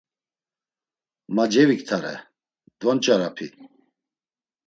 Ma ceviktare… Dvonç̌arapi.